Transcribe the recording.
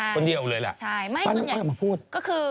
คนเดียวเลยแหละป้าน้ำอ้อยออกมาพูดใช่ไม่คุณใหญ่